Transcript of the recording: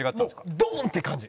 もうドーン！って感じ。